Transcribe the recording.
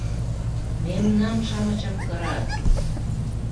Мемнан-шамычым кырат!